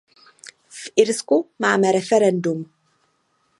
V Irsku máme referendum.